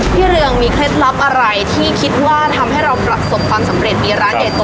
สุดท้ายสุดท้าย